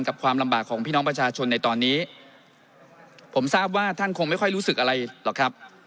ความลำบากของพี่น้องประชาชนในตอนนี้ผมทราบว่าท่านคงไม่ค่อยรู้สึกอะไรหรอกครับ